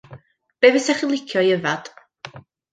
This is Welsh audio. Be' fysach chi'n licio i yfad?